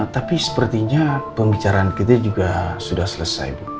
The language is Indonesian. tapi sepertinya pembicaraan kita juga sudah selesai